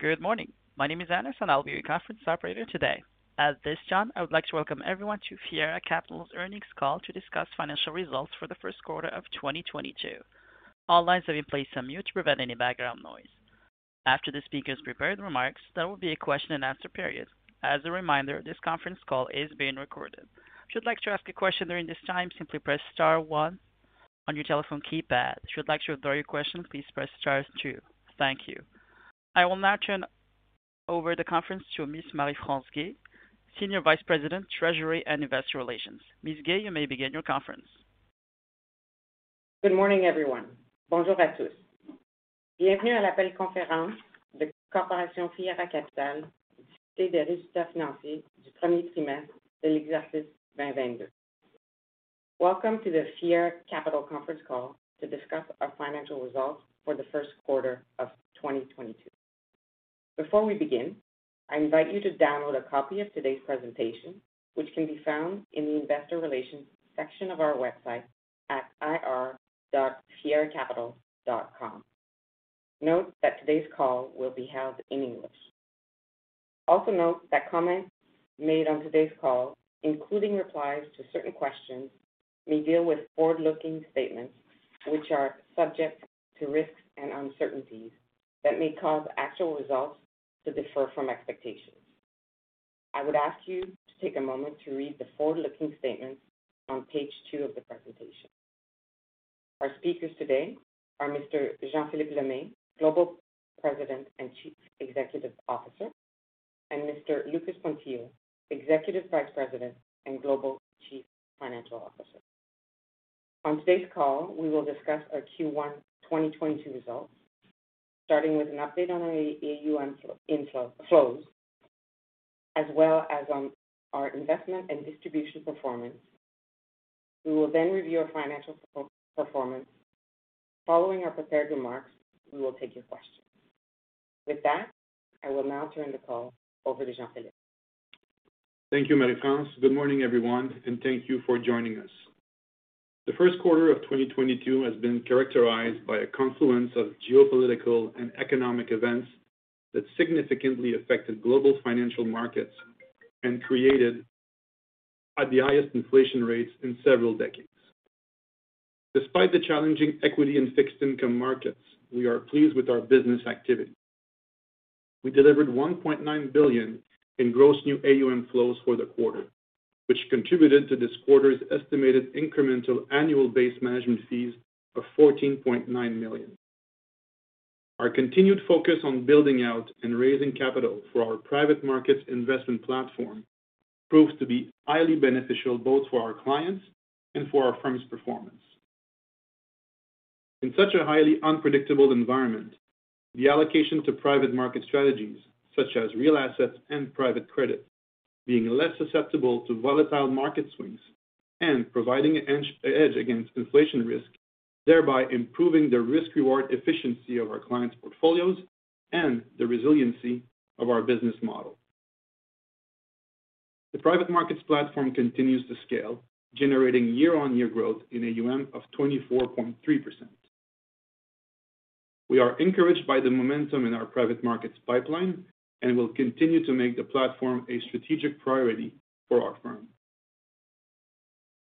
Good morning. My name is Anderson, and I will be your conference operator today. At this time, I would like to welcome everyone to Fiera Capital's Earnings Call to discuss financial results for the first quarter of 2022. All lines have been placed on mute to prevent any background noise. After the speakers' prepared remarks, there will be a question and answer period. As a reminder, this conference call is being recorded. If you'd like to ask a question during this time, simply press star one on your telephone keypad. If you'd like to withdraw your question, please press star two. Thank you. I will now turn over the conference to Ms. Marie-France Guay, Senior Vice President, Treasury and Investor Relations. Ms. Guay, you may begin the conference. Good morning, everyone. Bonjour à tous. Bienvenue à la conférence de Fiera Capital. Welcome to the Fiera Capital conference call to discuss our financial results for the first quarter of 2022. Before we begin, I invite you to download a copy of today's presentation, which can be found in the investor relations section of our website at ir.fieracapital.com. Note that today's call will be held in English. Also note that comments made on today's call, including replies to certain questions, may deal with forward-looking statements which are subject to risks and uncertainties that may cause actual results to differ from expectations. I would ask you to take a moment to read the forward-looking statements on page 2 of the presentation. Our speakers today are Mr. Jean-Philippe Lemay, Global President and Chief Executive Officer, and Mr. Lucas Pontillo, Executive Vice President and Global Chief Financial Officer. On today's call, we will discuss our Q1 2022 results, starting with an update on AUM flows as well as on our investment and distribution performance. We will then review our financial performance. Following our prepared remarks, we will take your questions. With that, I will now turn the call over to Jean-Philippe. Thank you, Marie-France. Good morning, everyone, and thank you for joining us. The first quarter of 2022 has been characterized by a confluence of geopolitical and economic events that significantly affected global financial markets and created the highest inflation rates in several decades. Despite the challenging equity and fixed income markets, we are pleased with our business activity. We delivered 1.9 billion in gross new AUM flows for the quarter, which contributed to this quarter's estimated incremental annual base management fees of 14.9 million. Our continued focus on building out and raising capital for our private markets investment platform proves to be highly beneficial both for our clients and for our firm's performance. In such a highly unpredictable environment, the allocation to private market strategies such as real assets and private credit, being less susceptible to volatile market swings and providing an edge against inflation risk, thereby improving the risk/reward efficiency of our clients' portfolios and the resiliency of our business model. The private markets platform continues to scale, generating year-on-year growth in AUM of 24.3%. We are encouraged by the momentum in our private markets pipeline and will continue to make the platform a strategic priority for our firm.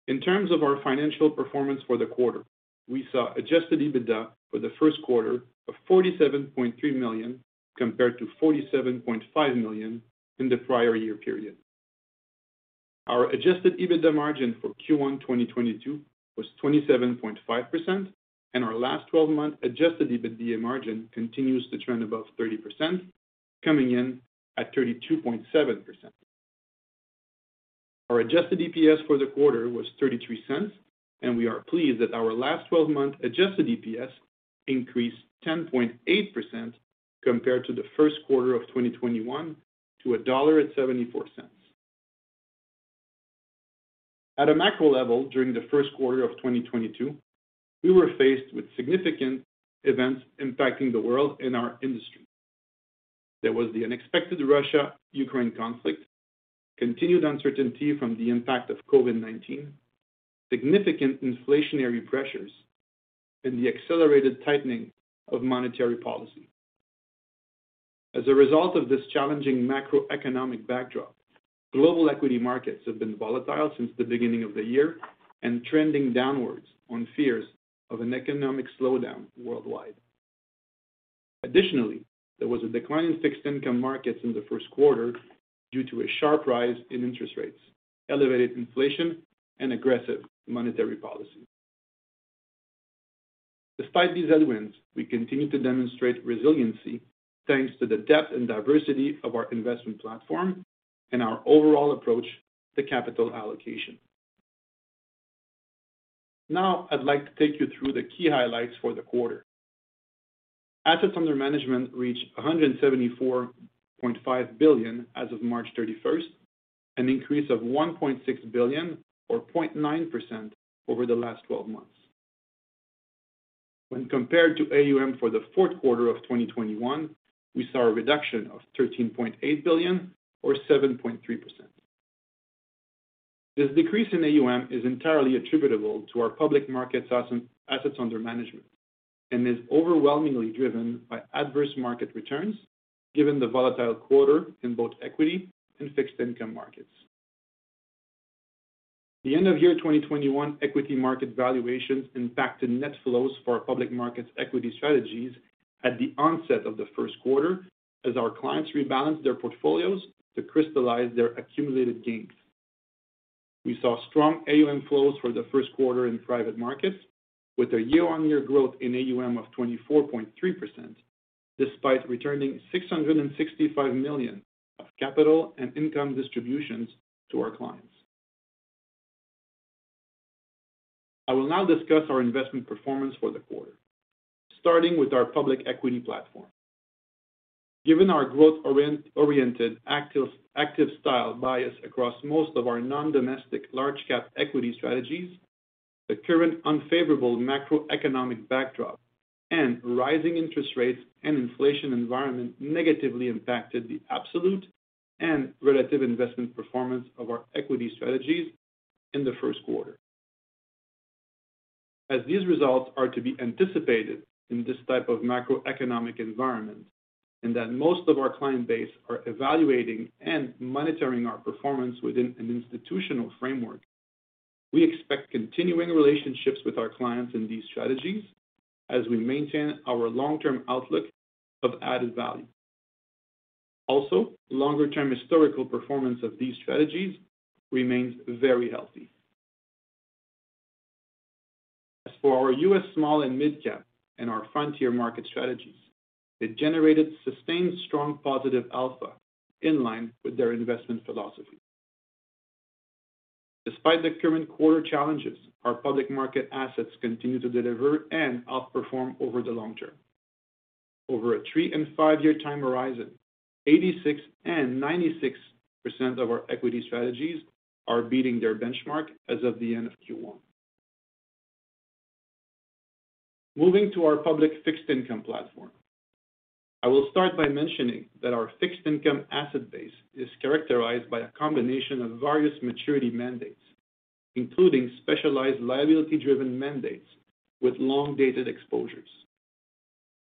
In terms of our financial performance for the quarter, we saw adjusted EBITDA for the first quarter of 47.3 million, compared to 47.5 million in the prior year period. Our adjusted EBITDA margin for Q1 2022 was 27.5%, and our last 12-month adjusted EBITDA margin continues to trend above 30%, coming in at 32.7%. Our adjusted EPS for the quarter was 0.33, and we are pleased that our last 12-month adjusted EPS increased 10.8% compared to the first quarter of 2021 to CAD 1.74. At a macro level during the first quarter of 2022, we were faced with significant events impacting the world and our industry. There was the unexpected Russia-Ukraine conflict, continued uncertainty from the impact of COVID-19, significant inflationary pressures, and the accelerated tightening of monetary policy. As a result of this challenging macroeconomic backdrop, global equity markets have been volatile since the beginning of the year and trending downwards on fears of an economic slowdown worldwide. Additionally, there was a decline in fixed income markets in the first quarter due to a sharp rise in interest rates, elevated inflation, and aggressive monetary policy. Despite these headwinds, we continue to demonstrate resiliency thanks to the depth and diversity of our investment platform and our overall approach to capital allocation. Now I'd like to take you through the key highlights for the quarter. Assets under management reached 174.5 billion as of March 31st, an increase of 1.6 billion or 0.9% over the last 12 months. When compared to AUM for the fourth quarter of 2021, we saw a reduction of 13.8 billion or 7.3%. This decrease in AUM is entirely attributable to our public markets assets under management and is overwhelmingly driven by adverse market returns, given the volatile quarter in both equity and fixed income markets. The end of year 2021 equity market valuations impacted net flows for our public markets equity strategies at the onset of the first quarter as our clients rebalanced their portfolios to crystallize their accumulated gains. We saw strong AUM flows for the first quarter in private markets with a year-on-year growth in AUM of 24.3% despite returning 665 million of capital and income distributions to our clients. I will now discuss our investment performance for the quarter, starting with our public equity platform. Given our growth-oriented, active style bias across most of our non-domestic large-cap equity strategies, the current unfavorable macroeconomic backdrop and rising interest rates and inflation environment negatively impacted the absolute and relative investment performance of our equity strategies in the first quarter. As these results are to be anticipated in this type of macroeconomic environment, and that most of our client base are evaluating and monitoring our performance within an institutional framework, we expect continuing relationships with our clients in these strategies as we maintain our long-term outlook of added value. Also, longer-term historical performance of these strategies remains very healthy. As for our U.S. small- and mid-cap and our frontier market strategies, they generated sustained strong positive alpha in line with their investment philosophy. Despite the current quarter challenges, our public market assets continue to deliver and outperform over the long term. Over a three and five-year time horizon, 86% and 96% of our equity strategies are beating their benchmark as of the end of Q1. Moving to our public fixed income platform. I will start by mentioning that our fixed income asset base is characterized by a combination of various maturity mandates, including specialized liability-driven mandates with long-dated exposures.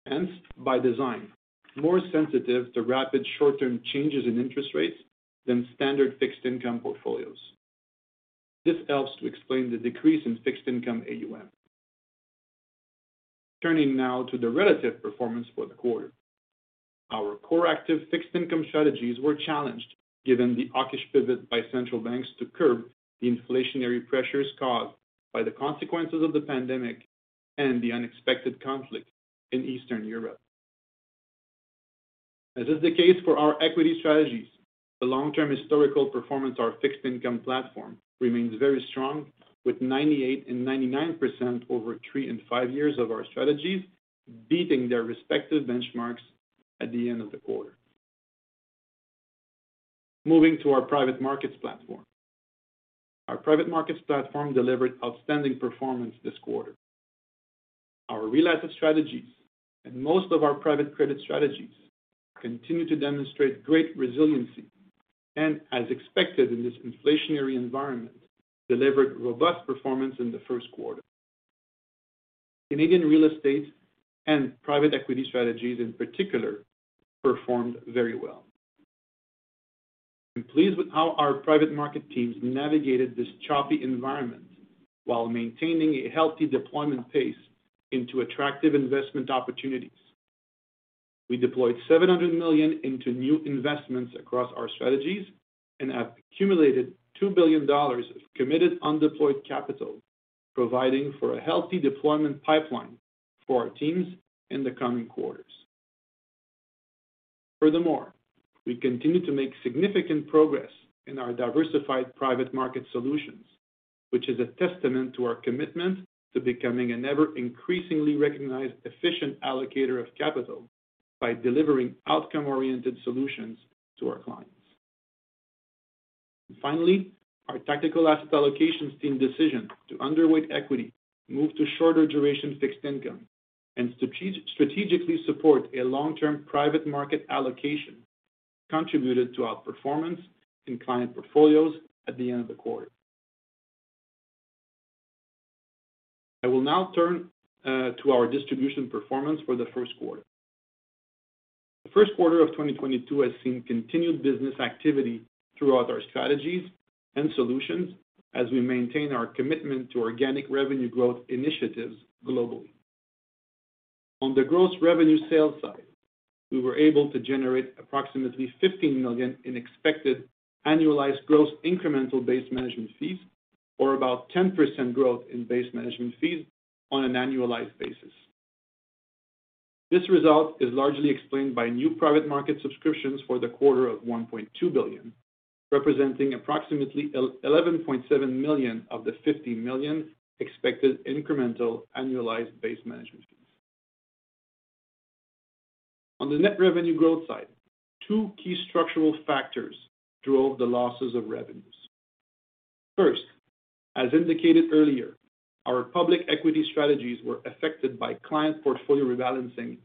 Hence, by design, more sensitive to rapid short-term changes in interest rates than standard fixed income portfolios. This helps to explain the decrease in fixed income AUM. Turning now to the relative performance for the quarter. Our core active fixed income strategies were challenged, given the hawkish pivot by central banks to curb the inflationary pressures caused by the consequences of the pandemic and the unexpected conflict in Eastern Europe. As is the case for our equity strategies, the long-term historical performance of our fixed income platform remains very strong with 98% and 99% over three and five years of our strategies beating their respective benchmarks at the end of the quarter. Moving to our private markets platform. Our private markets platform delivered outstanding performance this quarter. Our real asset strategies and most of our private credit strategies continue to demonstrate great resiliency and, as expected in this inflationary environment, delivered robust performance in the first quarter. Canadian real estate and private equity strategies in particular performed very well. I'm pleased with how our private market teams navigated this choppy environment while maintaining a healthy deployment pace into attractive investment opportunities. We deployed 700 million into new investments across our strategies and have accumulated $2 billion of committed undeployed capital, providing for a healthy deployment pipeline for our teams in the coming quarters. Furthermore, we continue to make significant progress in our diversified private market solutions, which is a testament to our commitment to becoming an ever-increasingly recognized efficient allocator of capital by delivering outcome-oriented solutions to our clients. Finally, our tactical asset allocation team decision to underweight equity, move to shorter duration fixed income, and strategically support a long-term private market allocation contributed to outperformance in client portfolios at the end of the quarter. I will now turn to our distribution performance for the first quarter. The first quarter of 2022 has seen continued business activity throughout our strategies and solutions as we maintain our commitment to organic revenue growth initiatives globally. On the gross revenue sales side, we were able to generate approximately 15 million in expected annualized gross incremental base management fees, or about 10% growth in base management fees on an annualized basis. This result is largely explained by new private market subscriptions for the quarter of 1.2 billion, representing approximately eleven point seven million of the fifteen million expected incremental annualized base management fees. On the net revenue growth side, two key structural factors drove the losses of revenues. First, as indicated earlier, our public equity strategies were affected by client portfolio rebalancing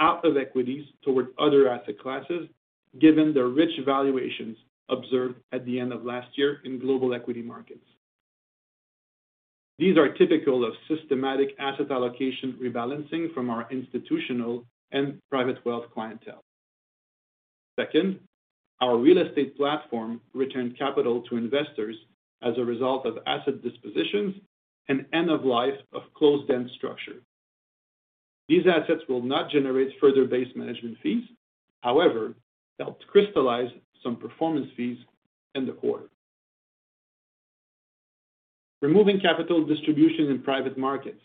out of equities towards other asset classes, given the rich valuations observed at the end of last year in global equity markets. These are typical of systematic asset allocation rebalancing from our institutional and private wealth clientele. Second, our real estate platform returned capital to investors as a result of asset dispositions and end of life of closed-end structure. These assets will not generate further base management fees. However, helped crystallize some performance fees in the quarter. Removing capital distribution in private markets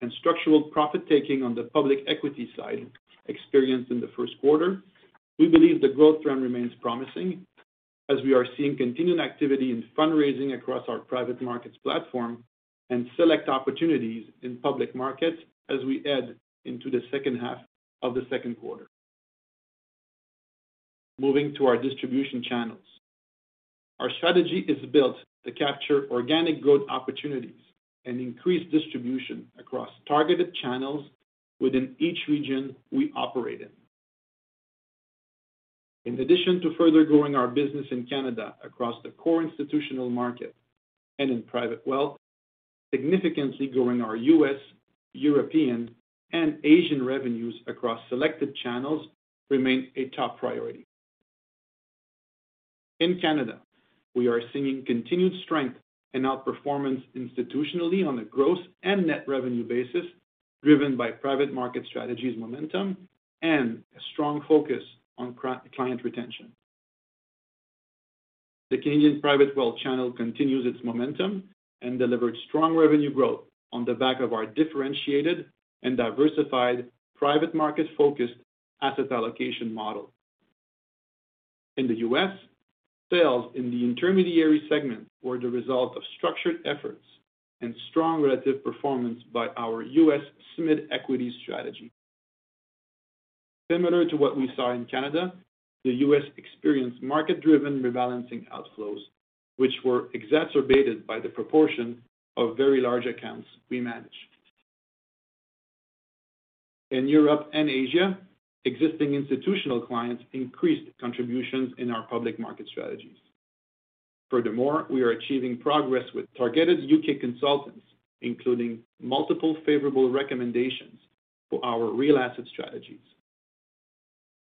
and structural profit-taking on the public equity side experienced in the first quarter, we believe the growth trend remains promising as we are seeing continued activity in fundraising across our private markets platform and select opportunities in public markets as we head into the second half of the second quarter. Moving to our distribution channels. Our strategy is built to capture organic growth opportunities and increase distribution across targeted channels within each region we operate in. In addition to further growing our business in Canada across the core institutional market and in private wealth, significantly growing our U.S., European, and Asian revenues across selected channels remain a top priority. In Canada, we are seeing continued strength and outperformance institutionally on a gross and net revenue basis, driven by private market strategies momentum and a strong focus on client retention. The Canadian private wealth channel continues its momentum and delivered strong revenue growth on the back of our differentiated and diversified private market-focused asset allocation model. In the U.S., sales in the intermediary segment were the result of structured efforts and strong relative performance by our U.S. SMID equity strategy. Similar to what we saw in Canada, the U.S. experienced market-driven rebalancing outflows, which were exacerbated by the proportion of very large accounts we managed. In Europe and Asia, existing institutional clients increased contributions in our public market strategies. Furthermore, we are achieving progress with targeted U.K. consultants, including multiple favorable recommendations for our real asset strategies.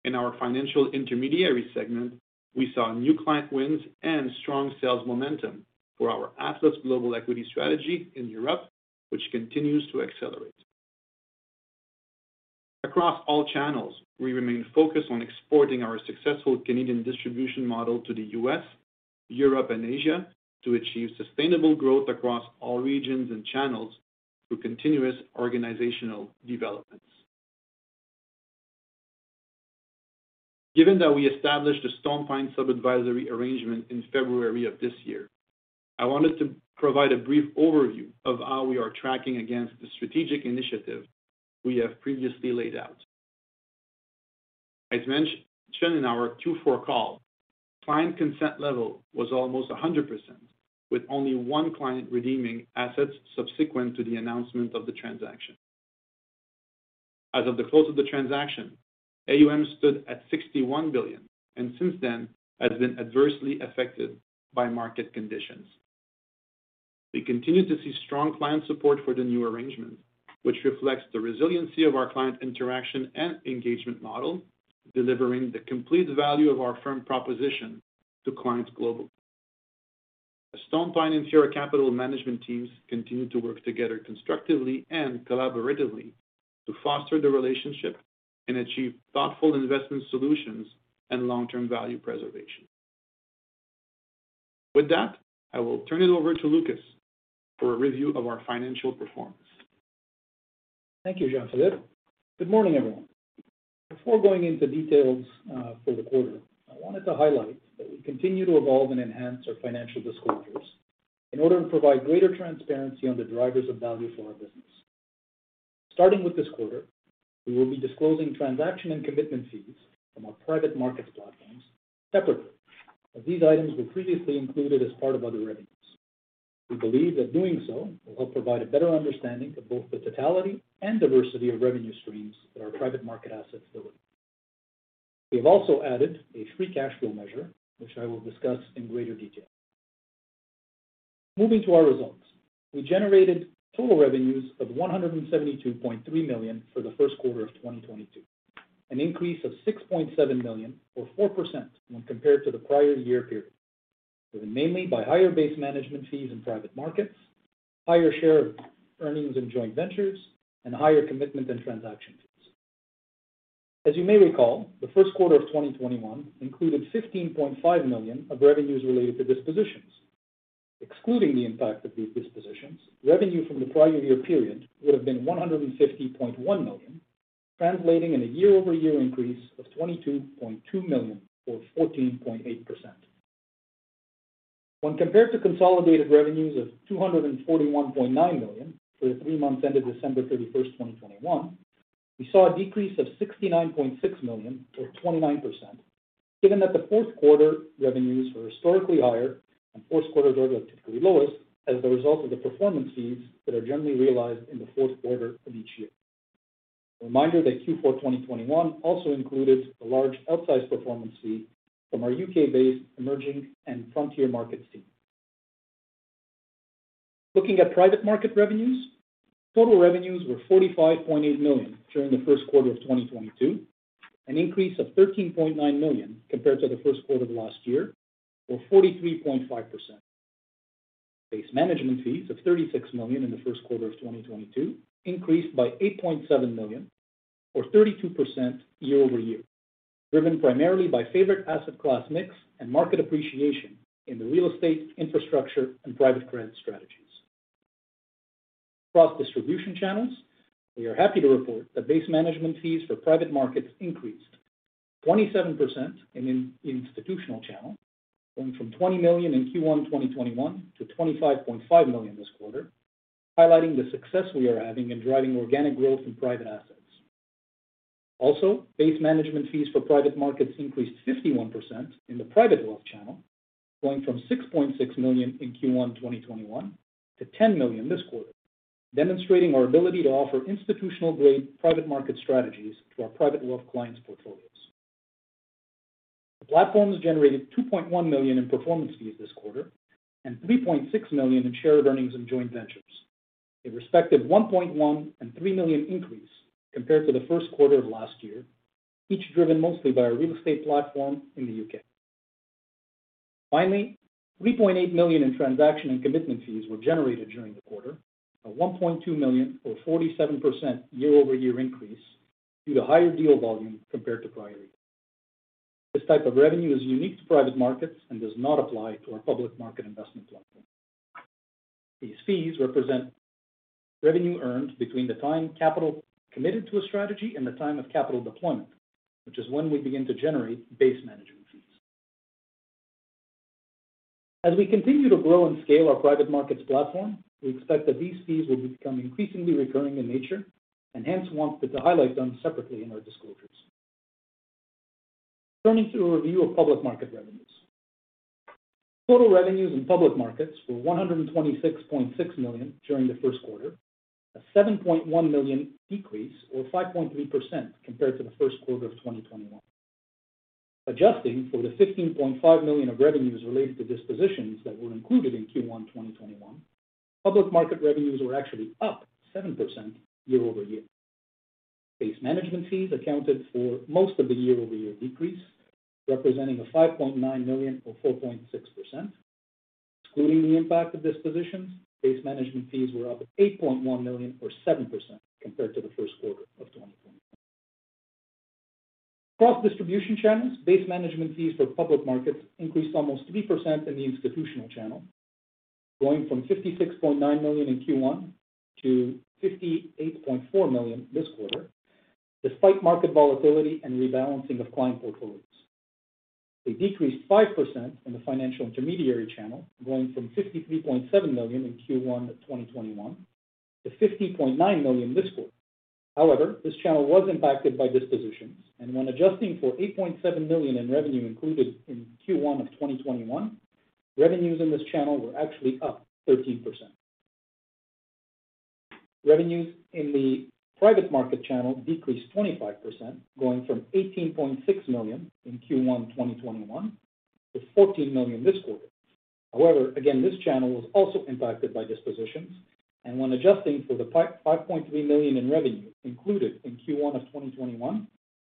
In our financial intermediary segment, we saw new client wins and strong sales momentum for our Atlas global equity strategy in Europe, which continues to accelerate. Across all channels, we remain focused on exporting our successful Canadian distribution model to the U.S., Europe, and Asia to achieve sustainable growth across all regions and channels through continuous organizational developments. Given that we established a StonePine sub-advisory arrangement in February of this year, I wanted to provide a brief overview of how we are tracking against the strategic initiative we have previously laid out. As mentioned in our Q4 call, client consent level was almost 100%, with only one client redeeming assets subsequent to the announcement of the transaction. As of the close of the transaction, AUM stood at 61 billion, and since then has been adversely affected by market conditions. We continue to see strong client support for the new arrangement, which reflects the resiliency of our client interaction and engagement model, delivering the complete value of our firm proposition to clients globally. The StonePine and Fiera Capital management teams continue to work together constructively and collaboratively to foster the relationship and achieve thoughtful investment solutions and long-term value preservation. With that, I will turn it over to Lucas for a review of our financial performance. Thank you, Jean-Philippe. Good morning, everyone. Before going into details, for the quarter, I wanted to highlight that we continue to evolve and enhance our financial disclosures in order to provide greater transparency on the drivers of value for our business. Starting with this quarter, we will be disclosing transaction and commitment fees from our private markets platforms separately, as these items were previously included as part of other revenues. We believe that doing so will help provide a better understanding of both the totality and diversity of revenue streams that our private market assets deliver. We have also added a free cash flow measure, which I will discuss in greater detail. Moving to our results. We generated total revenues of 172.3 million for the first quarter of 2022, an increase of 6.7 million or 4% when compared to the prior year period, driven mainly by higher base management fees in private markets, higher share of earnings in joint ventures, and higher commitment and transaction fees. As you may recall, the first quarter of 2021 included 15.5 million of revenues related to dispositions. Excluding the impact of these dispositions, revenue from the prior year period would have been 150.1 million, translating to a year-over-year increase of 22.2 million or 14.8%. When compared to consolidated revenues of 241.9 million for the three months ended December 31, 2021, we saw a decrease of 69.6 million or 29%. Given that the fourth quarter revenues were historically higher and fourth quarters are typically lowest as a result of the performance fees that are generally realized in the fourth quarter of each year. A reminder that Q4 2021 also included a large outsized performance fee from our UK-based emerging and frontier markets team. Looking at private market revenues, total revenues were 45.8 million during the first quarter of 2022, an increase of 13.9 million compared to the first quarter of last year, or 43.5%. Base management fees of 36 million in the first quarter of 2022 increased by 8.7 million or 32% year-over-year, driven primarily by favorable asset class mix and market appreciation in the real estate, infrastructure, and private credit strategies. Across distribution channels, we are happy to report that base management fees for private markets increased 27% in the institutional channel, going from 20 million in Q1 2021 to 25.5 million this quarter, highlighting the success we are having in driving organic growth in private assets. Also, base management fees for private markets increased 51% in the private wealth channel, going from 6.6 million in Q1 2021 to 10 million this quarter, demonstrating our ability to offer institutional-grade private market strategies to our private wealth clients' portfolios. The platforms generated 2.1 million in performance fees this quarter, and 3.6 million in shared earnings and joint ventures, a respective 1.1 million and 3 million increase compared to the first quarter of last year, each driven mostly by our real estate platform in the U.K. Finally, 3.8 million in transaction and commitment fees were generated during the quarter, a 1.2 million or 47% year-over-year increase due to higher deal volume compared to prior years. This type of revenue is unique to private markets and does not apply to our public market investment platform. These fees represent revenue earned between the time capital committed to a strategy and the time of capital deployment, which is when we begin to generate base management fees. As we continue to grow and scale our private markets platform, we expect that these fees will become increasingly recurring in nature and hence want to highlight them separately in our disclosures. Turning to a review of public market revenues. Total revenues in public markets were 126.6 million during the first quarter, a 7.1 million decrease or 5.3% compared to the first quarter of 2021. Adjusting for the 15.5 million of revenues related to dispositions that were included in Q1 2021, public market revenues were actually up 7% year-over-year. Base management fees accounted for most of the year-over-year decrease, representing a 5.9 million or 4.6%. Excluding the impact of dispositions, base management fees were up 8.1 million or 7% compared to the first quarter of 2021. Across distribution channels, base management fees for public markets increased almost 3% in the institutional channel, going from 56.9 million in Q1 to 58.4 million this quarter despite market volatility and rebalancing of client portfolios. They decreased 5% in the financial intermediary channel, going from 53.7 million in Q1 2021 to 50.9 million this quarter. However, this channel was impacted by dispositions and when adjusting for 8.7 million in revenue included in Q1 of 2021, revenues in this channel were actually up 13%. Revenues in the private market channel decreased 25%, going from 18.6 million in Q1 2021 to 14 million this quarter. However, again, this channel was also impacted by dispositions, and when adjusting for the 5.3 million in revenue included in Q1 of 2021,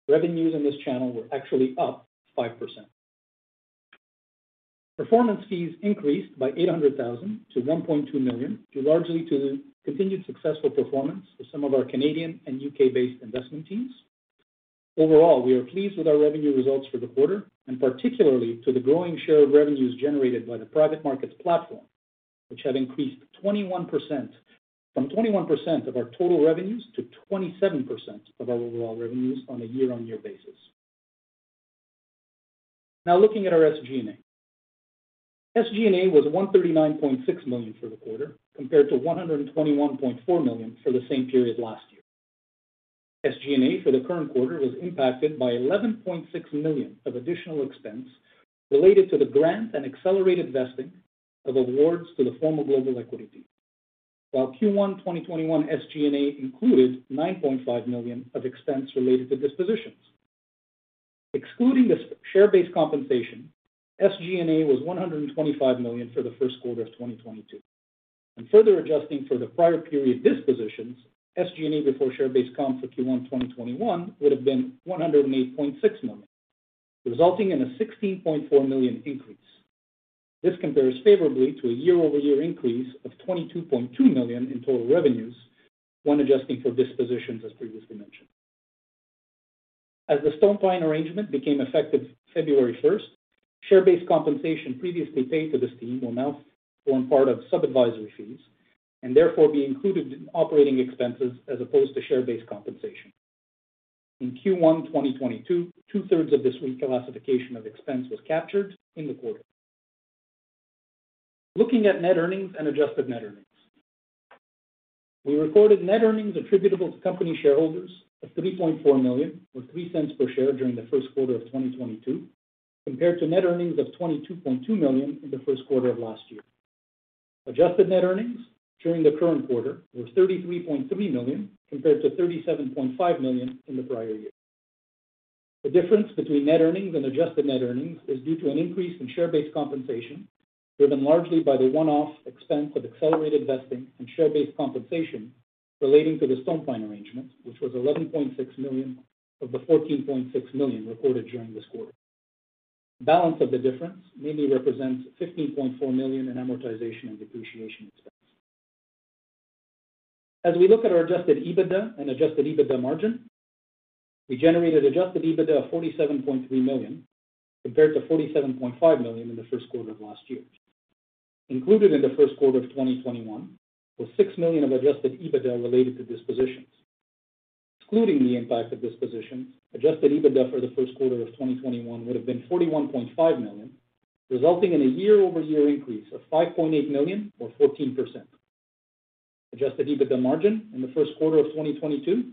revenues in this channel were actually up 5%. Performance fees increased by 800,000 to 1.2 million, due largely to the continued successful performance of some of our Canadian and UK-based investment teams. Overall, we are pleased with our revenue results for the quarter, and particularly to the growing share of revenues generated by the private markets platform, which have increased 21% from 21% of our total revenues to 27% of our overall revenues on a year-on-year basis. Now looking at our SG&A. SG&A was 139.6 million for the quarter, compared to 121.4 million for the same period last year. SG&A for the current quarter was impacted by 11.6 million of additional expense related to the grant and accelerated vesting of awards to the former Global Equity team. While Q1 2021 SG&A included 9.5 million of expense related to dispositions. Excluding the share-based compensation, SG&A was 125 million for the first quarter of 2022. Further adjusting for the prior period dispositions, SG&A before share-based comp for Q1 2021 would have been 108.6 million, resulting in a 16.4 million increase. This compares favorably to a year-over-year increase of 22.2 million in total revenues when adjusting for dispositions as previously mentioned. As the StonePine arrangement became effective February first, share-based compensation previously paid to this team will now form part of sub-advisory fees and therefore be included in operating expenses as opposed to share-based compensation. In Q1 2022, two-thirds of this reclassification of expense was captured in the quarter. Looking at net earnings and adjusted net earnings. We recorded net earnings attributable to company shareholders of 3.4 million or 0.03 per share during the first quarter of 2022, compared to net earnings of 22.2 million in the first quarter of last year. Adjusted net earnings during the current quarter were 33.3 million compared to 37.5 million in the prior year. The difference between net earnings and adjusted net earnings is due to an increase in share-based compensation, driven largely by the one-off expense of accelerated vesting and share-based compensation relating to the StonePine arrangement, which was 11.6 million of the 14.6 million recorded during this quarter. Balance of the difference mainly represents 15.4 million in amortization and depreciation expense. As we look at our adjusted EBITDA and adjusted EBITDA margin, we generated adjusted EBITDA of 47.3 million compared to 47.5 million in the first quarter of last year. Included in the first quarter of 2021 was 6 million of adjusted EBITDA related to dispositions. Excluding the impact of disposition, adjusted EBITDA for the first quarter of 2021 would have been 41.5 million, resulting in a year-over-year increase of 5.8 million or 14%. Adjusted EBITDA margin in the first quarter of 2022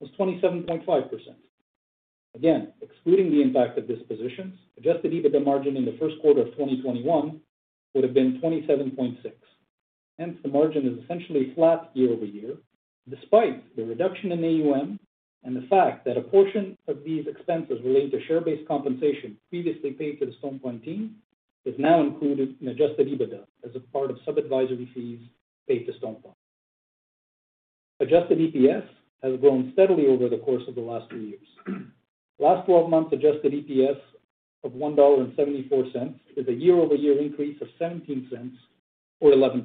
was 27.5%. Excluding the impact of dispositions, adjusted EBITDA margin in the first quarter of 2021 would have been 27.6%. Hence, the margin is essentially flat year-over-year despite the reduction in AUM and the fact that a portion of these expenses related to share-based compensation previously paid to the StonePine team is now included in adjusted EBITDA as a part of sub-advisory fees paid to StonePine. Adjusted EPS has grown steadily over the course of the last three years. Last twelve-month adjusted EPS of 1.74 dollar is a year-over-year increase of 0.17 or 11%.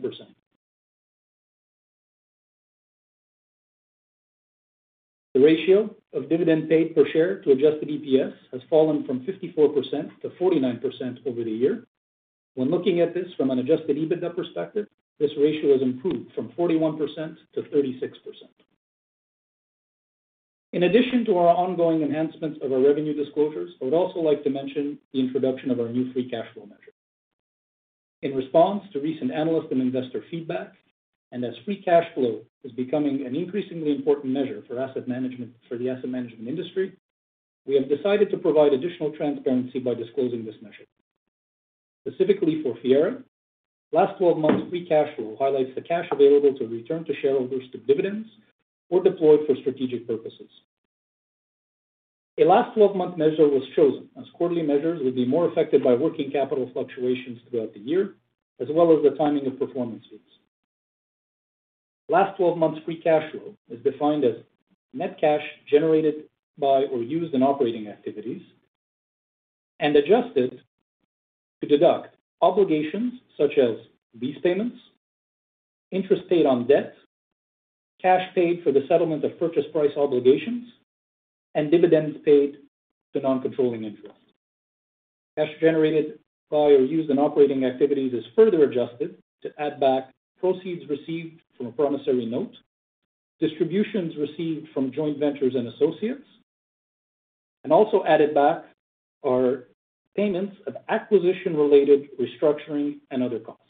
The ratio of dividend paid per share to adjusted EPS has fallen from 54%-49% over the year. When looking at this from an adjusted EBITDA perspective, this ratio has improved from 41%-36%. In addition to our ongoing enhancements of our revenue disclosures, I would also like to mention the introduction of our new free cash flow measure. In response to recent analyst and investor feedback, and as free cash flow is becoming an increasingly important measure for the asset management industry, we have decided to provide additional transparency by disclosing this measure. Specifically for Fiera, last 12 months free cash flow highlights the cash available to return to shareholders to dividends or deployed for strategic purposes. A last 12-month measure was chosen as quarterly measures would be more affected by working capital fluctuations throughout the year, as well as the timing of performance fees. Last 12 months free cash flow is defined as net cash generated by or used in operating activities and adjusted to deduct obligations such as lease payments, interest paid on debt, cash paid for the settlement of purchase price obligations, and dividends paid to non-controlling interest. Cash generated by or used in operating activities is further adjusted to add back proceeds received from a promissory note, distributions received from joint ventures and associates, and also added back are payments of acquisition-related restructuring and other costs.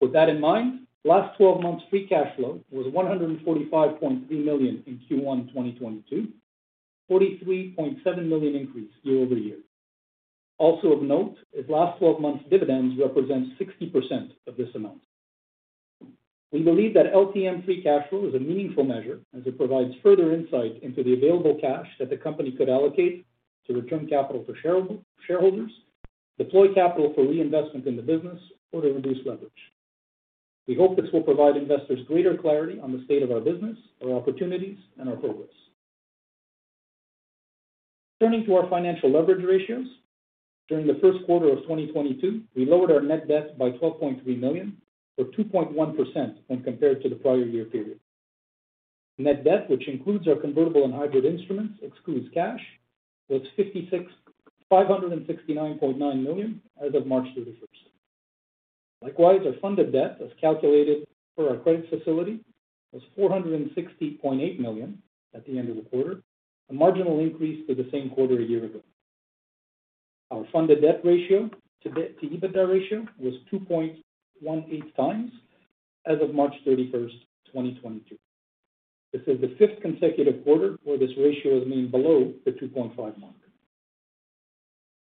With that in mind, last 12 months free cash flow was 145.3 million in Q1 2022, 43.7 million increase year-over-year. Also of note is last 12 months dividends represents 60% of this amount. We believe that LTM free cash flow is a meaningful measure as it provides further insight into the available cash that the company could allocate to return capital for shareholders, deploy capital for reinvestment in the business or to reduce leverage. We hope this will provide investors greater clarity on the state of our business, our opportunities, and our progress. Turning to our financial leverage ratios. During the first quarter of 2022, we lowered our net debt by 12.3 million, or 2.1% when compared to the prior year period. Net debt, which includes our convertible and hybrid instruments, excludes cash, was 569.9 million as of March 31st. Likewise, our funded debt as calculated per our credit facility was 460.8 million at the end of the quarter, a marginal increase to the same quarter a year ago. Our funded debt to EBITDA ratio was 2.18x as of March 31, 2022. This is the fifth consecutive quarter where this ratio has been below the 2.5x mark.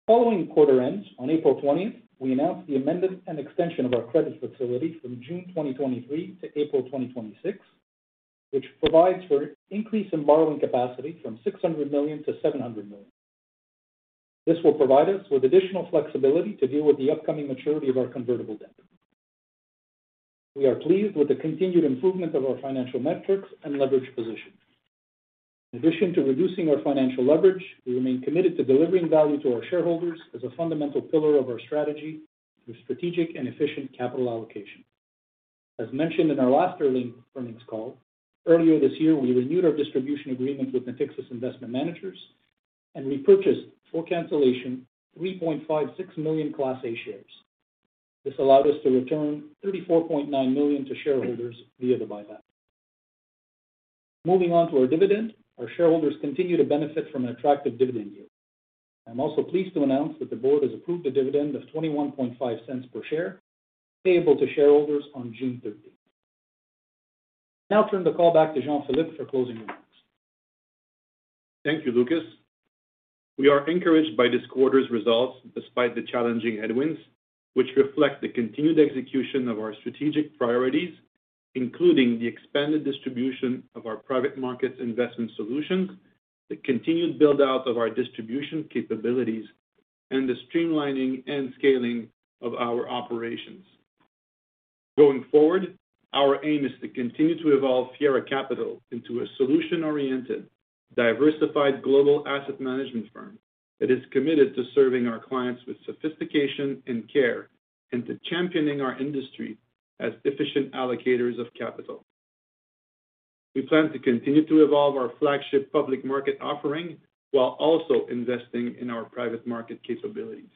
Following quarter end, on April 20, we announced the amendment and extension of our credit facility from June 2023 to April 2026, which provides for increase in borrowing capacity from 600 million to 700 million. This will provide us with additional flexibility to deal with the upcoming maturity of our convertible debt. We are pleased with the continued improvement of our financial metrics and leverage position. In addition to reducing our financial leverage, we remain committed to delivering value to our shareholders as a fundamental pillar of our strategy with strategic and efficient capital allocation. As mentioned in our last earnings call, earlier this year, we renewed our distribution agreement with Natixis Investment Managers and repurchased for cancellation 3.56 million Class A shares. This allowed us to return 34.9 million to shareholders via the buyback. Moving on to our dividend. Our shareholders continue to benefit from an attractive dividend yield. I'm also pleased to announce that the board has approved a dividend of 0.215 per share, payable to shareholders on June 13th. I'll now turn the call back to Jean-Philippe for closing remarks. Thank you, Lucas. We are encouraged by this quarter's results despite the challenging headwinds which reflect the continued execution of our strategic priorities, including the expanded distribution of our private markets investment solutions, the continued build-out of our distribution capabilities, and the streamlining and scaling of our operations. Going forward, our aim is to continue to evolve Fiera Capital into a solution-oriented, diversified global asset management firm that is committed to serving our clients with sophistication and care, and to championing our industry as efficient allocators of capital. We plan to continue to evolve our flagship public market offering while also investing in our private market capabilities.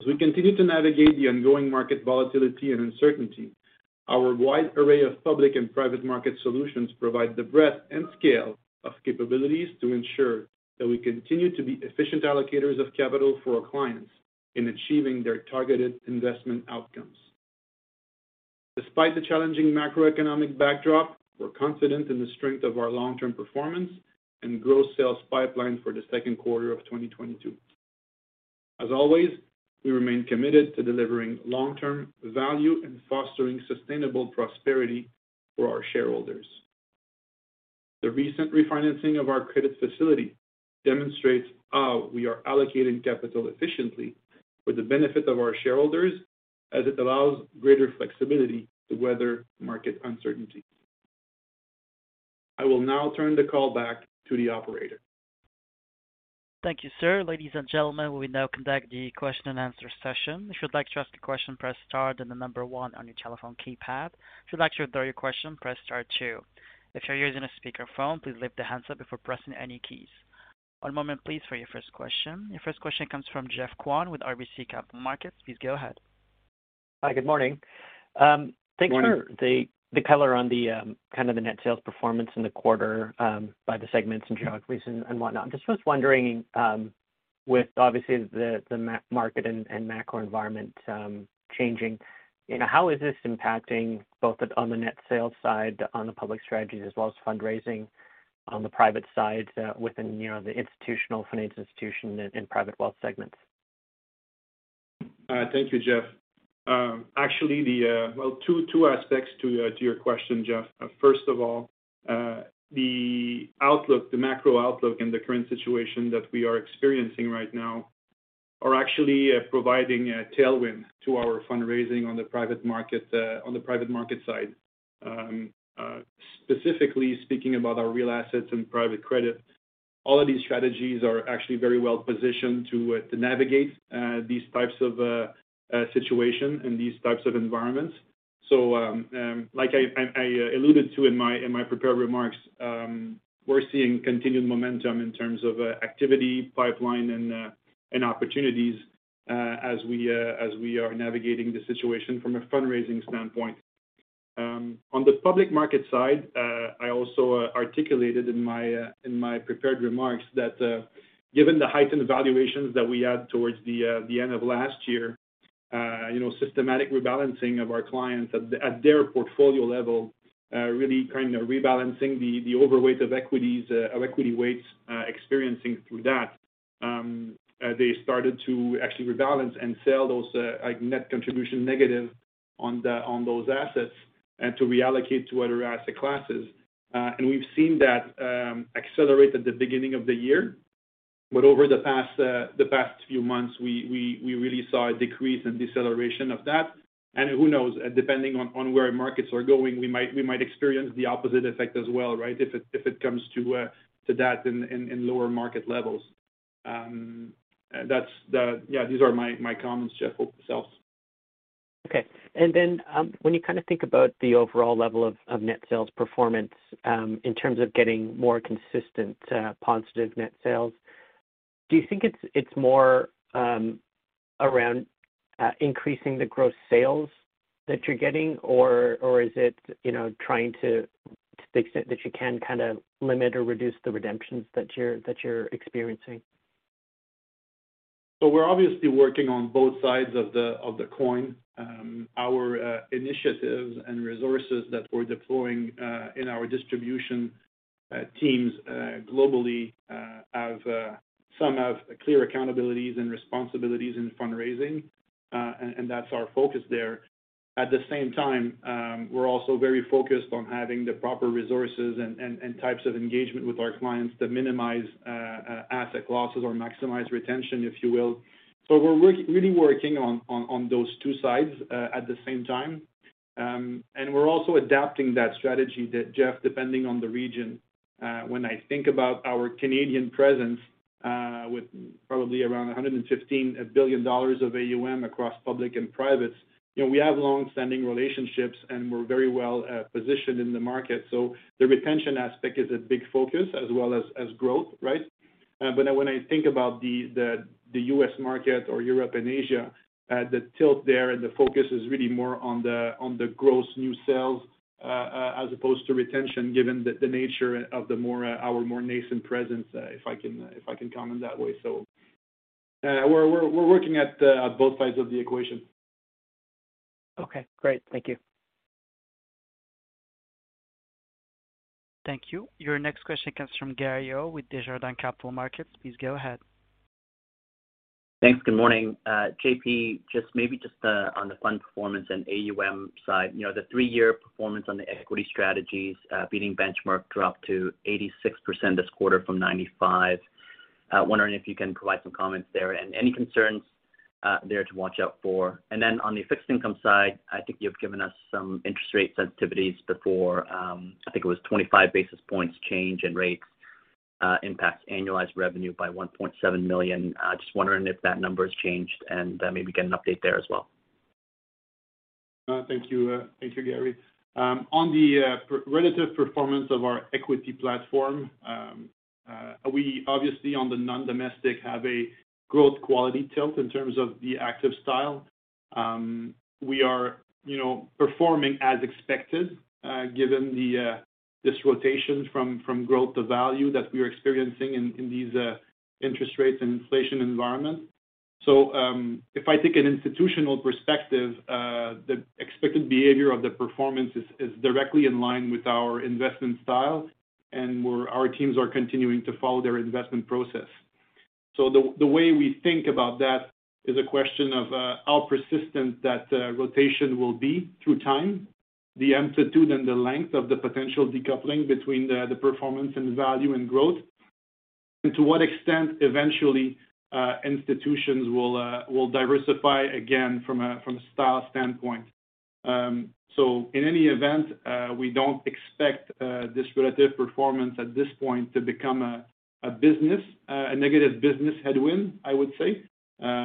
As we continue to navigate the ongoing market volatility and uncertainty, our wide array of public and private market solutions provide the breadth and scale of capabilities to ensure that we continue to be efficient allocators of capital for our clients in achieving their targeted investment outcomes. Despite the challenging macroeconomic backdrop, we're confident in the strength of our long-term performance and gross sales pipeline for the second quarter of 2022. As always, we remain committed to delivering long-term value and fostering sustainable prosperity for our shareholders. The recent refinancing of our credit facility demonstrates how we are allocating capital efficiently for the benefit of our shareholders as it allows greater flexibility to weather market uncertainty. I will now turn the call back to the operator. Thank you, sir. Ladies and gentlemen, we now conduct the question and answer session. If you'd like to ask a question, press star, then the number one on your telephone keypad. If you'd like to withdraw your question, press star two. If you're using a speakerphone, please lift the handset before pressing any keys. One moment please, for your first question. Your first question comes from Geoff Kwan with RBC Capital Markets. Please go ahead. Hi, good morning. Good morning. Thanks for the color on kind of the net sales performance in the quarter by the segments and geographies and whatnot. I just was wondering with obviously the market and macro environment changing, you know, how is this impacting both on the net sales side on the public strategies as well as fundraising on the private side within, you know, the institutional financial institution and private wealth segments? Thank you, Geoff. Actually, well, two aspects to your question, Geoff. First of all, the outlook, the macro outlook in the current situation that we are experiencing right now are actually providing a tailwind to our fundraising on the private market, on the private market side. Specifically speaking about our real assets and private credit, all of these strategies are actually very well positioned to navigate these types of situation in these types of environments. Like I alluded to in my prepared remarks, we're seeing continued momentum in terms of activity pipeline and opportunities, as we are navigating the situation from a fundraising standpoint. On the public market side, I also articulated in my prepared remarks that, given the heightened valuations that we had towards the end of last year, you know, systematic rebalancing of our clients at their portfolio level really kind of rebalancing the overweight of equities of equity weights experiencing through that. They started to actually rebalance and sell those, like net contribution negative on those assets and to reallocate to other asset classes. We've seen that accelerate at the beginning of the year. Over the past few months, we really saw a decrease in deceleration of that. Who knows, depending on where markets are going, we might experience the opposite effect as well, right? If it comes to that in lower market levels. That's the. Yeah, these are my comments, Geoff. Hope it helps. Okay. When you kind of think about the overall level of net sales performance, in terms of getting more consistent positive net sales, do you think it's more around increasing the gross sales that you're getting or is it, you know, trying to the extent that you can kind of limit or reduce the redemptions that you're experiencing? We're obviously working on both sides of the coin. Our initiatives and resources that we're deploying in our distribution teams globally have clear accountabilities and responsibilities in fundraising. That's our focus there. At the same time, we're also very focused on having the proper resources and types of engagement with our clients that minimize asset losses or maximize retention, if you will. We're really working on those two sides at the same time. We're also adapting that strategy, Geoff, depending on the region. When I think about our Canadian presence with probably around 115 billion dollars of AUM across public and privates, you know, we have long-standing relationships, and we're very well positioned in the market. The retention aspect is a big focus as well as growth, right? But when I think about the U.S. market or Europe and Asia, the tilt there and the focus is really more on the gross new sales, as opposed to retention given the nature of our more nascent presence, if I can comment that way. We're working at both sides of the equation. Okay, great. Thank you. Thank you. Your next question comes from Gary Ho with Desjardins Capital Markets. Please go ahead. Thanks. Good morning. JP, just maybe on the fund performance and AUM side, you know, the three-year performance on the equity strategies, beating benchmark dropped to 86% this quarter from 95%. Wondering if you can provide some comments there and any concerns there to watch out for. Then on the fixed income side, I think you've given us some interest rate sensitivities before. I think it was 25 basis points change in rates impacts annualized revenue by 1.7 million. Just wondering if that number has changed and maybe get an update there as well. Thank you. Thank you, Gary. On the relative performance of our equity platform, we obviously on the non-domestic have a growth quality tilt in terms of the active style. We are, you know, performing as expected, given this rotation from growth to value that we are experiencing in these interest rates and inflation environment. If I take an institutional perspective, the expected behavior of the performance is directly in line with our investment style, and our teams are continuing to follow their investment process. The way we think about that is a question of how persistent that rotation will be through time, the amplitude and the length of the potential decoupling between the performance and value and growth, and to what extent eventually institutions will diversify again from a style standpoint. In any event, we don't expect this relative performance at this point to become a negative business headwind, I would say.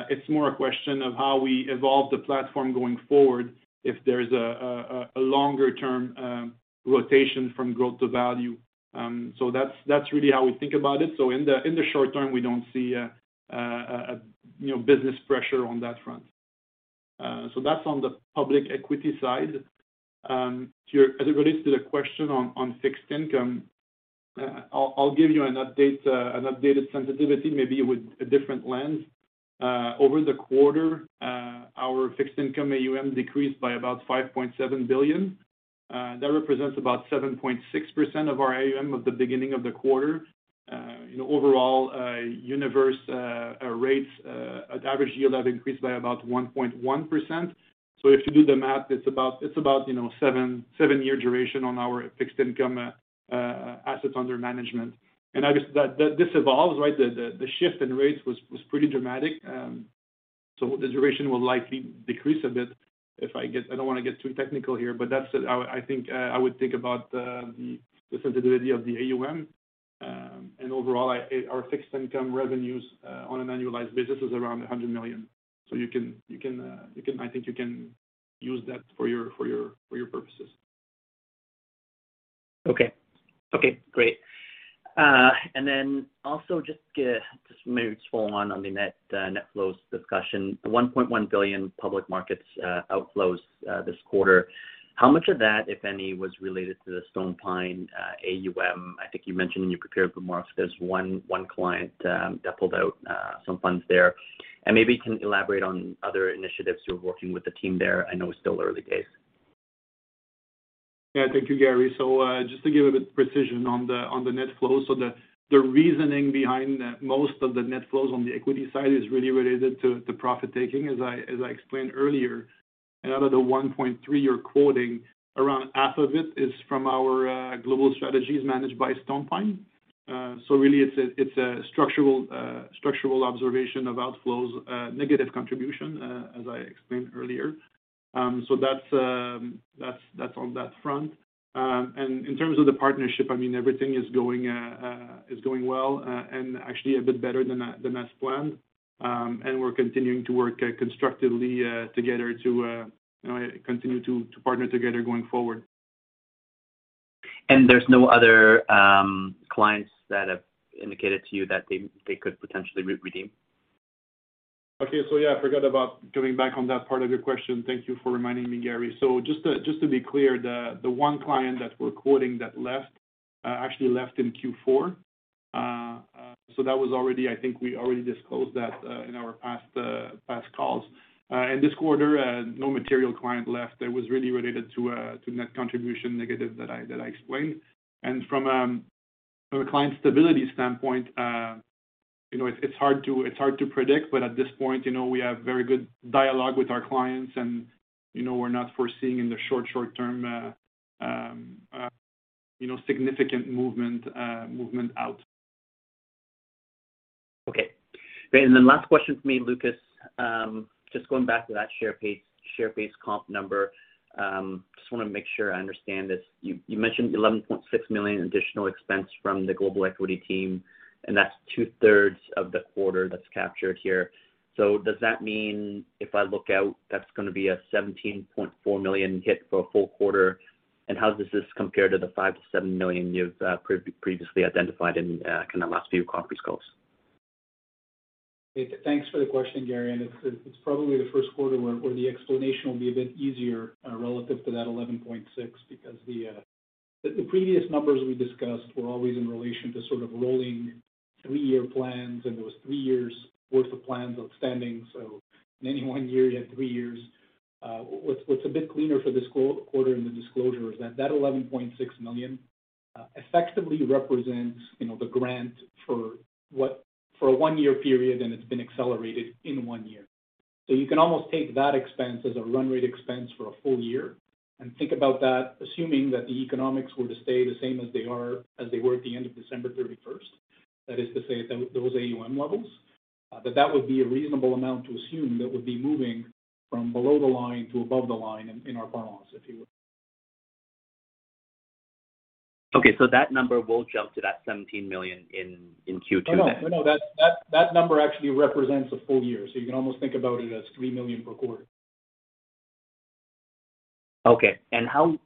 It's more a question of how we evolve the platform going forward if there's a longer-term rotation from growth to value. That's really how we think about it. In the short term, we don't see a you know, business pressure on that front. That's on the public equity side. As it relates to the question on fixed income, I'll give you an update, an updated sensitivity, maybe with a different lens. Over the quarter, our fixed income AUM decreased by about 5.7 billion. That represents about 7.6% of our AUM at the beginning of the quarter. You know, overall universe rates average yield have increased by about 1.1%. If you do the math, it's about, you know, seven-year duration on our fixed income assets under management. Obviously, that evolves, right? The shift in rates was pretty dramatic. The duration will likely decrease a bit. I don't want to get too technical here, but that's, I think I would think about the sensitivity of the AUM. Overall our fixed income revenues on an annualized basis is around 100 million. You can use that for your purposes. Okay. Okay, great. Also just maybe to follow on the net flows discussion, 1.1 billion public markets outflows this quarter. How much of that, if any, was related to the StonePine AUM? I think you mentioned in your prepared remarks there's one client that pulled out some funds there. Maybe you can elaborate on other initiatives you're working with the team there. I know it's still early days. Yeah. Thank you, Gary. Just to give a bit more precision on the net flow. The reasoning behind most of the net flows on the equity side is really related to the profit-taking, as I explained earlier. Out of the 1.3 you're quoting, around half of it is from our global strategies managed by StonePine. Really it's a structural observation of outflows, negative contribution, as I explained earlier. That's on that front. In terms of the partnership, I mean, everything is going well, and actually a bit better than as planned. We're continuing to work constructively together to you know continue to partner together going forward. There's no other clients that have indicated to you that they could potentially redeem? Okay. Yeah, I forgot about coming back on that part of your question. Thank you for reminding me, Gary. Just to be clear, the one client that we're quoting that left actually left in Q4. That was already. I think we already disclosed that in our past calls. In this quarter, no material client left that was really related to net contribution negative that I explained. From a client stability standpoint, you know, it's hard to predict, but at this point, you know, we have very good dialogue with our clients and, you know, we're not foreseeing in the short term, you know, significant movement out. Okay, great. Then last question for me, Lucas. Just going back to that share-based comp number. Just wanna make sure I understand this. You mentioned 11.6 million additional expense from the Global Equity team, and that's two-thirds of the quarter that's captured here. Does that mean if I look out, that's gonna be a 17.4 million hit for a full quarter? How does this compare to the 5 million-7 million you've previously identified in kind of last few conference calls? Thanks for the question, Gary. It's probably the first quarter where the explanation will be a bit easier relative to that 11.6 million because the previous numbers we discussed were always in relation to sort of rolling three-year plans, and it was three years worth of plans extending. In any one year, you had three years. What's a bit cleaner for this quarter in the disclosure is that that 11.6 million effectively represents, you know, the grant for a one-year period, and it's been accelerated in one year. You can almost take that expense as a run rate expense for a full year and think about that assuming that the economics were to stay the same as they were at the end of December 31st. That is to say, those AUM levels, that would be a reasonable amount to assume that would be moving from below the line to above the line in our P&L, if you will. Okay. That number will jump to that 17 million in Q2 then? No, no. That number actually represents a full year. You can almost think about it as 3 million per quarter. Okay. How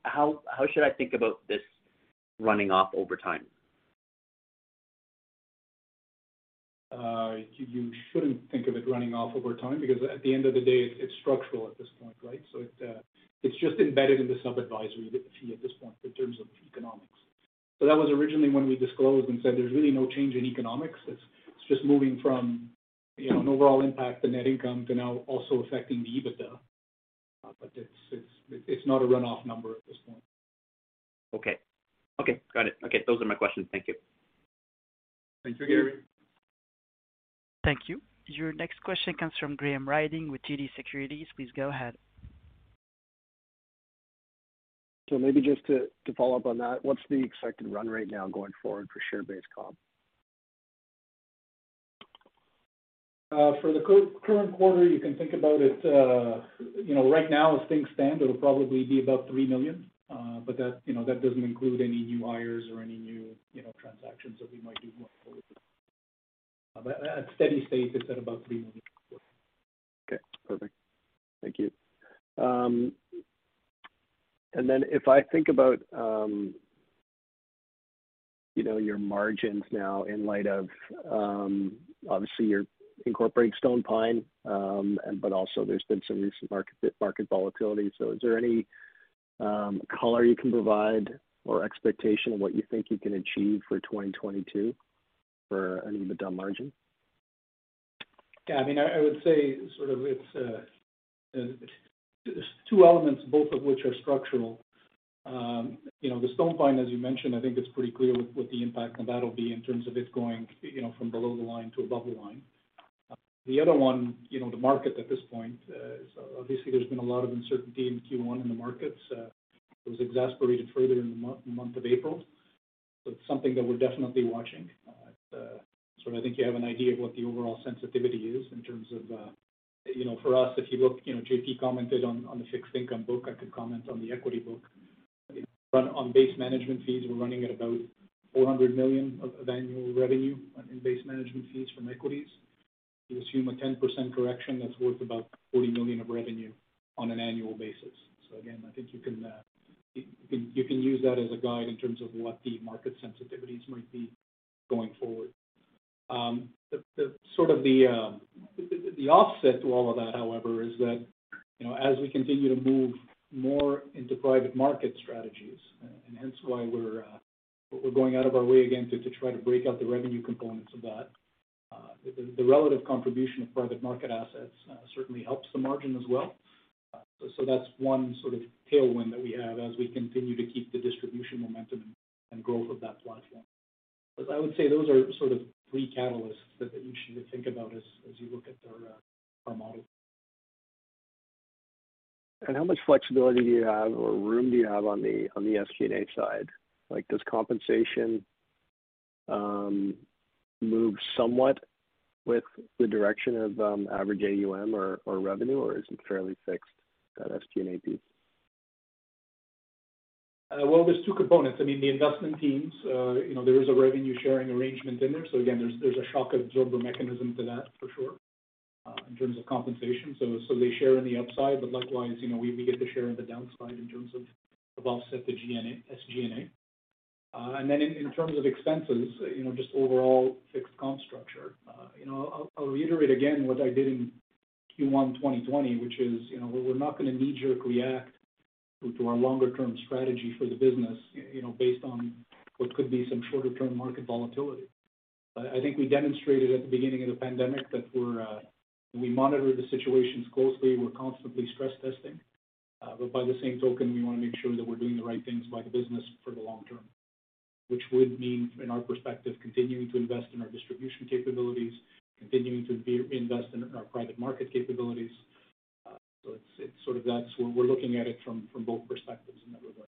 should I think about this running off over time? You shouldn't think of it running off over time because at the end of the day, it's structural at this point, right? It's just embedded in the sub-advisory fee at this point in terms of economics. That was originally when we disclosed and said there's really no change in economics. It's not a run-off number at this point. Okay. Got it. Those are my questions. Thank you. Thanks, Gary. Thank you. Your next question comes from Graham Ryding with TD Securities. Please go ahead. Maybe just to follow up on that, what's the expected run rate now going forward for share-based comp? For the current quarter, you can think about it, you know, right now as things stand, it'll probably be about 3 million. That, you know, that doesn't include any new hires or any new, you know, transactions that we might do going forward. At steady state, it's at about 3 million. Okay, perfect. Thank you. Then if I think about, you know, your margins now in light of, obviously you're incorporating StonePine, but also there's been some recent market volatility. Is there any color you can provide or expectation of what you think you can achieve for 2022 for an EBITDA margin? Yeah. I mean, I would say sort of it's two elements, both of which are structural. You know, the StonePine, as you mentioned, I think it's pretty clear what the impact on that'll be in terms of it going, you know, from below the line to above the line. The other one, you know, the market at this point, obviously there's been a lot of uncertainty in Q1 in the markets. It was exacerbated further in the month of April. It's something that we're definitely watching. I think you have an idea of what the overall sensitivity is in terms of, you know, for us, if you look, you know, JP commented on the fixed income book, I could comment on the equity book. On base management fees, we're running at about 400 million of annual revenue in base management fees from equities. You assume a 10% correction that's worth about 40 million of revenue on an annual basis. Again, I think you can use that as a guide in terms of what the market sensitivities might be going forward. The offset to all of that, however, is that, you know, as we continue to move more into private market strategies, and hence why we're going out of our way again to try to break out the revenue components of that. The relative contribution of private market assets certainly helps the margin as well. That's one sort of tailwind that we have as we continue to keep the distribution momentum and growth of that platform. I would say those are sort of three catalysts that you should think about as you look at our model. How much flexibility do you have or room do you have on the SG&A side? Like, does compensation move somewhat with the direction of average AUM or revenue, or is it fairly fixed, that SG&A piece? Well, there's two components. I mean, the investment teams, you know, there is a revenue-sharing arrangement in there. Again, there's a shock absorber mechanism to that for sure, in terms of compensation. They share in the upside, but likewise, you know, we get to share in the downside in terms of offset the SG&A. Then in terms of expenses, you know, just overall fixed comp structure. You know, I'll reiterate again what I did in Q1 2020, which is, you know, we're not going to knee-jerk react to our longer-term strategy for the business, you know, based on what could be some shorter-term market volatility. I think we demonstrated at the beginning of the pandemic that we monitor the situations closely, we're constantly stress testing. By the same token, we want to make sure that we're doing the right things by the business for the long term, which would mean, in our perspective, continuing to invest in our distribution capabilities, continuing to invest in our private market capabilities. It's sort of that's where we're looking at it from both perspectives in that regard.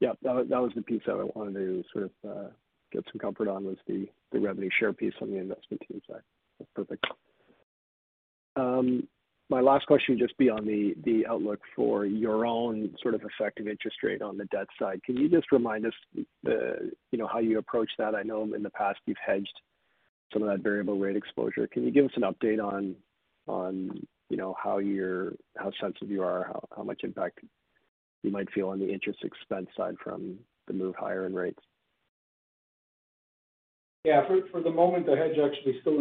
Yeah. That was the piece that I wanted to sort of get some comfort on was the revenue share piece on the investment team side. That's perfect. My last question would just be on the outlook for your own sort of effective interest rate on the debt side. Can you just remind us, you know, how you approach that? I know in the past you've hedged some of that variable rate exposure. Can you give us an update on, you know, how sensitive you are, how much impact you might feel on the interest expense side from the move higher in rates. For the moment, the hedge actually is still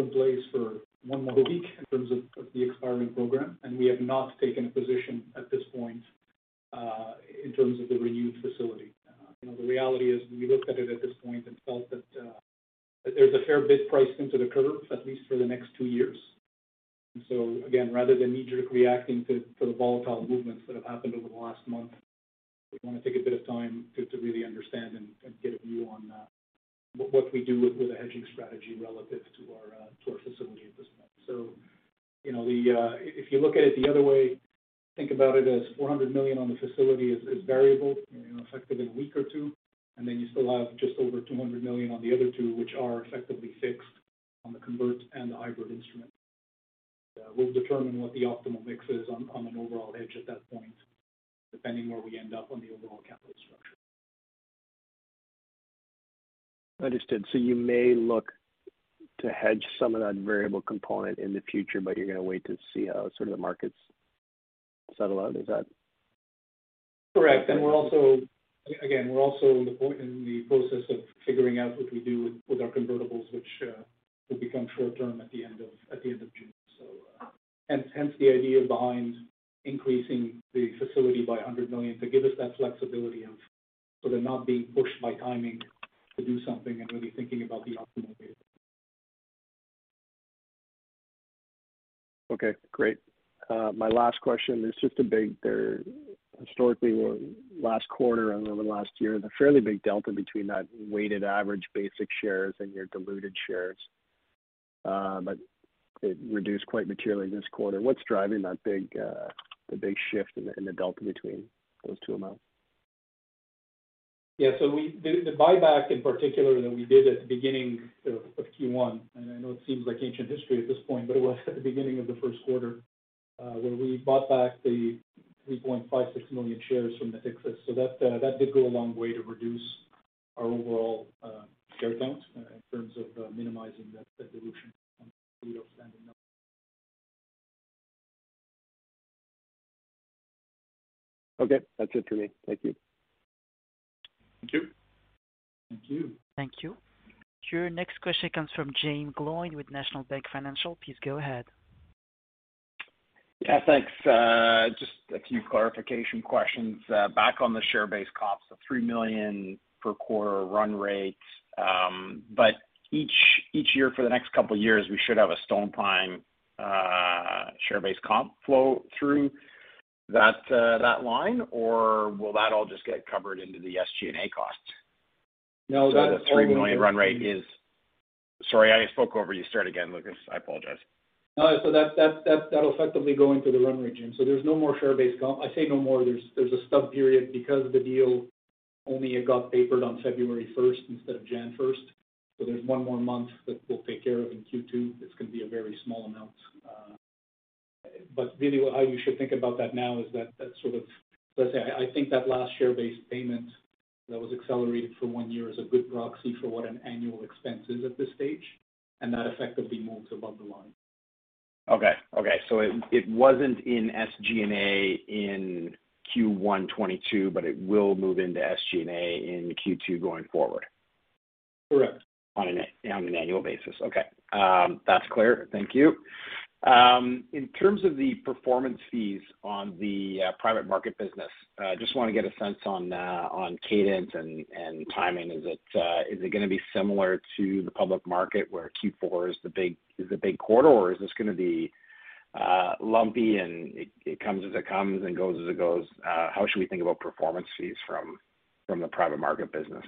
in place for one more week in terms of the expiring program, and we have not taken a position at this point in terms of the renewed facility. You know, the reality is we looked at it at this point and felt that that there's a fair bid priced into the curve, at least for the next two years. Again, rather than knee-jerk reacting to the volatile movements that have happened over the last month, we wanna take a bit of time to really understand and get a view on what we do with a hedging strategy relative to our facility at this point. You know, the-- If you look at it the other way, think about it as 400 million on the facility is variable, you know, effective in a week or two, and then you still have just over 200 million on the other two, which are effectively fixed on the convertible and the hybrid instrument. We'll determine what the optimal mix is on an overall hedge at that point, depending where we end up on the overall capital structure. Understood. You may look to hedge some of that variable component in the future, but you're gonna wait to see how sort of the markets settle out. Is that? Correct. Okay. We're also in the process of figuring out what we do with our convertibles, which will become short-term at the end of June. Hence the idea behind increasing the facility by 100 million to give us that flexibility and so they're not being pushed by timing to do something and really thinking about the optimal date. Okay, great. My last question is just a bit there. Historically, or last quarter, and over last year, the fairly big delta between that weighted average basic shares and your diluted shares, but it reduced quite materially this quarter. What's driving that big shift in the delta between those two amounts? The buyback in particular that we did at the beginning of Q1, and I know it seems like ancient history at this point, but it was at the beginning of the first quarter, when we bought back the 3.56 million shares from Natixis. That did go a long way to reduce our overall share count in terms of minimizing the dilution on the outstanding number. Okay. That's it for me. Thank you. Thank you. Thank you. Thank you. Your next question comes from Jaeme Gloyn with National Bank Financial. Please go ahead. Yeah, thanks. Just a few clarification questions back on the share-based comps of 3 million per quarter run rate. Each year for the next couple of years, we should have a StonePine share-based comp flow through that line, or will that all just get covered into the SG&A cost? No, that's all. Sorry, I spoke over you. Start again, Lucas. I apologize. No. That'll effectively go into the run rate, Jaeme. There's no more share-based comp. I say no more. There's a stub period because the deal only got papered on February first instead of January first. There's one more month that we'll take care of in Q2. It's gonna be a very small amount. Really how you should think about that now is that. Let's say, I think that last share-based payment that was accelerated for one year is a good proxy for what an annual expense is at this stage, and that effectively moves above the line. Okay. It wasn't in SG&A in Q1 2022, but it will move into SG&A in Q2 going forward. Correct. On an annual basis. Okay. That's clear. Thank you. In terms of the performance fees on the private market business, just wanna get a sense on cadence and timing. Is it gonna be similar to the public market where Q4 is the big quarter, or is this gonna be lumpy and it comes as it comes and goes as it goes? How should we think about performance fees from the private market business?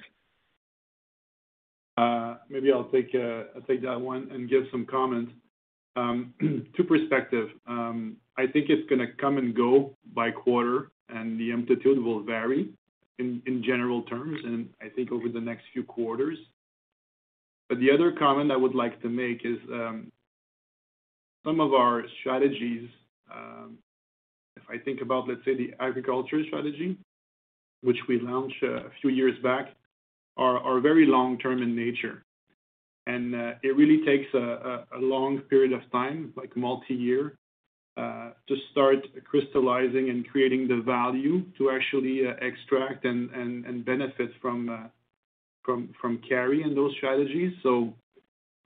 Maybe I'll take that one and give some comments. To perspective, I think it's gonna come and go by quarter, and the amplitude will vary in general terms, and I think over the next few quarters. The other comment I would like to make is some of our strategies, if I think about, let's say, the agriculture strategy, which we launched a few years back, are very long-term in nature. It really takes a long period of time, like multi-year, to start crystallizing and creating the value to actually extract and benefit from carry in those strategies.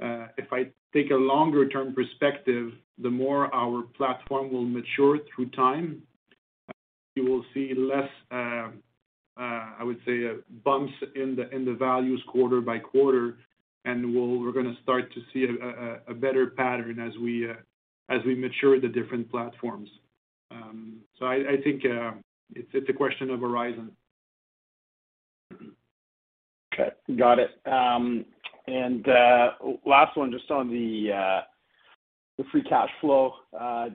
If I take a longer-term perspective, the more our platform will mature through time, you will see less, I would say, bumps in the values quarter by quarter, and we're gonna start to see a better pattern as we mature the different platforms. I think it's a question of horizon. Okay. Got it. Last one, just on the free cash flow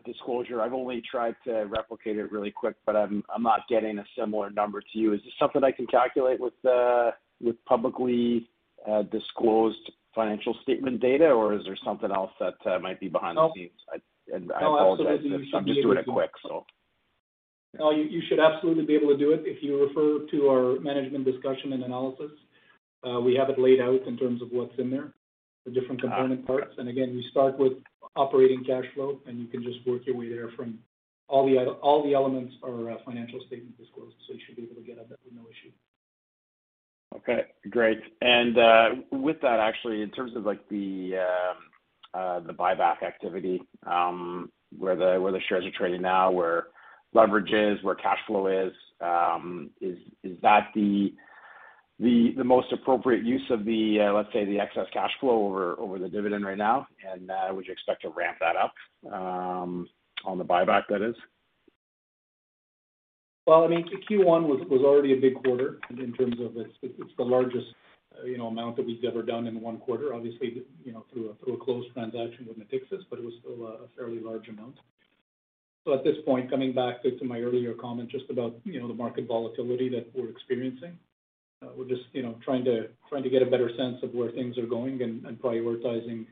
disclosure. I've only tried to replicate it really quick, but I'm not getting a similar number to you. Is this something I can calculate with the publicly disclosed financial statement data, or is there something else that might be behind the scenes? No. I apologize if- No, absolutely. I'm just doing it quick, so. No, you should absolutely be able to do it if you refer to our management discussion and analysis. We have it laid out in terms of what's in there, the different component parts. Again, you start with operating cash flow, and you can just work your way there from all the elements are financial statement disclosed, so you should be able to get at that with no issue. Okay, great. With that, actually, in terms of, like, the buyback activity, where the shares are trading now, where leverage is, where cash flow is that the most appropriate use of the, let's say, the excess cash flow over the dividend right now? Would you expect to ramp that up on the buyback, that is? Well, I mean, Q1 was already a big quarter in terms of it's the largest, you know, amount that we've ever done in one quarter, obviously, you know, through a closed transaction with Natixis, but it was still a fairly large amount. At this point, coming back to my earlier comment just about, you know, the market volatility that we're experiencing, we're just, you know, trying to get a better sense of where things are going and prioritizing,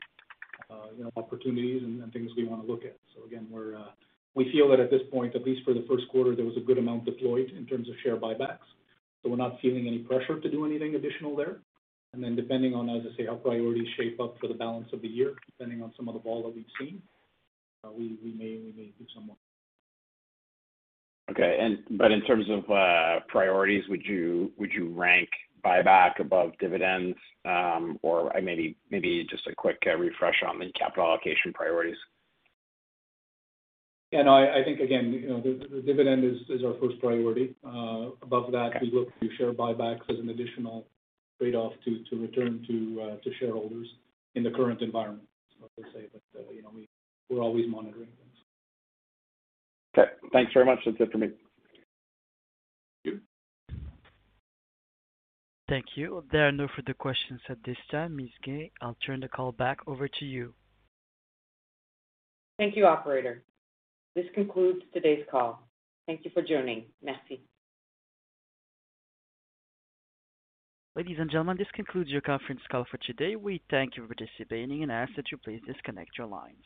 you know, opportunities and things we wanna look at. Again, we feel that at this point, at least for the first quarter, there was a good amount deployed in terms of share buybacks. We're not feeling any pressure to do anything additional there. Depending on, as I say, how priorities shape up for the balance of the year, depending on some of the vol that we've seen, we may do some more. Okay. In terms of priorities, would you rank buyback above dividends? Or maybe just a quick refresh on the capital allocation priorities. I think, again, you know, the dividend is our first priority. Above that, we look to share buybacks as an additional trade-off to return to shareholders in the current environment. I would say that, you know, we're always monitoring things. Okay, thanks very much. That's it for me. Thank you. Thank you. There are no further questions at this time. Ms. Guay, I'll turn the call back over to you. Thank you, operator. This concludes today's call. Thank you for joining. Merci. Ladies and gentlemen, this concludes your conference call for today. We thank you for participating and ask that you please disconnect your lines.